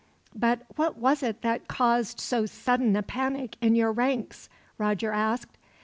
"But what was it that caused so sudden a panic in your ranks?" Roger asked.